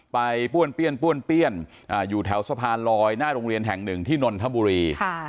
ป้วนเปี้ยนป้วนเปี้ยนอยู่แถวสะพานลอยหน้าโรงเรียนแห่งหนึ่งที่นนทบุรี